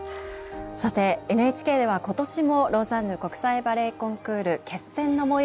さてＮＨＫでは今年もローザンヌ国際バレエコンクール決選の模様をお送りします。